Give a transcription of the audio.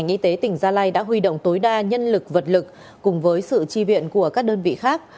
ngành y tế tỉnh gia lai đã huy động tối đa nhân lực vật lực cùng với sự tri viện của các đơn vị khác